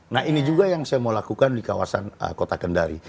nah ini juga yang saya mau lakukan di kawasan kota kendari